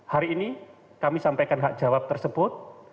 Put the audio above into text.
hari ini kami sampaikan hak jawab tersebut